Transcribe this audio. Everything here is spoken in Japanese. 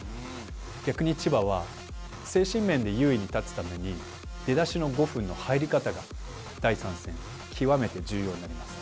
逆に千葉は精神面で優位に立つために出だしの５分の入り方が第３戦、極めて重要になります。